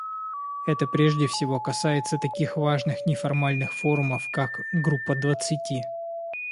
Это прежде всего касается таких важных неформальных форумов, как Группа двадцати.